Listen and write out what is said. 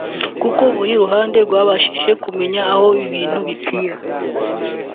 kuko buri ruhande rwabashije kumenya aho ibintu bipfira